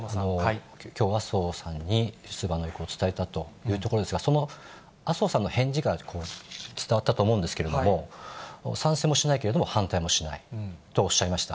きょう、麻生さんに出馬の意向を伝えたというところですが、その麻生さんの返事が伝わったと思うんですけれども、賛成もしないけれども反対もしないとおっしゃいました。